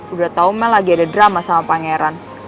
udah tau mel lagi ada drama sama pangeran